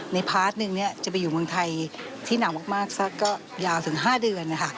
พาร์ทหนึ่งจะไปอยู่เมืองไทยที่หนักมากสักก็ยาวถึง๕เดือนนะคะ